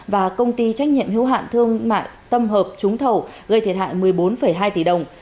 và công ty trách nhiệm hiếu hạn thương mại tâm hợp trúng thầu gây thiệt hại một mươi bốn hai tỷ đồng